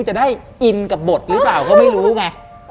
จะได้อินกับบทหรือเปล่าก็ไม่รู้ไง